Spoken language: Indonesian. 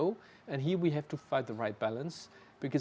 dan di sini kita harus melakukan perbaikan yang benar